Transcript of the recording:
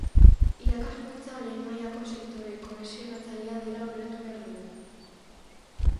Irakaskuntza lehen mailako sektore kohesionatzailea dela ulertu behar dugu.